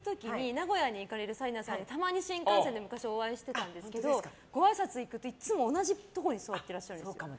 いつも私も大阪に仕事に行く時に名古屋に行く紗理奈さんとたまに新幹線で昔、お会いしてたんですけどごあいさつ行くといつも同じところに座っていらっしゃる。